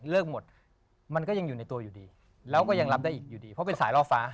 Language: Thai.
หมดมันก็ยังอยู่ในตัวอยู่ดีแล้วก็ยังรับได้อีกอยู่ดีเพราะเป็นสายล่อฟ้า